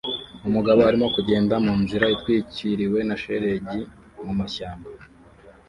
Umugabo arimo kugenda munzira itwikiriwe na shelegi mumashyamba